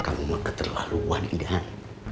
kamu mah keterlaluan iden